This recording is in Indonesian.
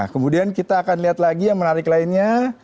kemudian kita akan lihat lagi yang menarik lainnya